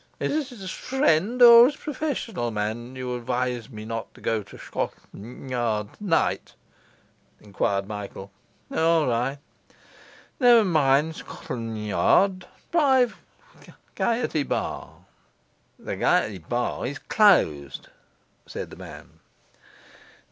'Is it as friend or as perfessional man you advise me not to go Shcotlan' Yard t'night?' enquired Michael. 'All righ', never min' Shcotlan' Yard, drive Gaiety bar.' 'The Gaiety bar is closed,' said the man.